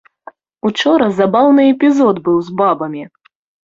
Учора забаўны эпізод быў з бабамі.